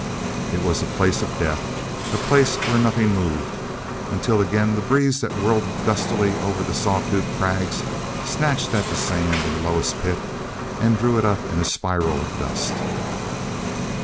It was a place of death, a place where nothing moved—until again the breeze that whirled gustily over the saw tooth crags snatched at the sand in that lowest pit and drew it up in a spiral of dust.